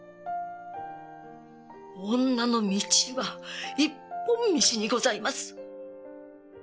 女の道は一本道にございます。